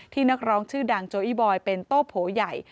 ที่นักร้องชื่อดังโจยีบอยเป็นโต้โผอย่าย